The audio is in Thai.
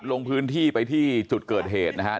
ลงพื้นที่ไปที่จุดเกิดเหตุนะครับ